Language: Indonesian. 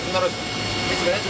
ini sebenarnya sudah sejak kemarin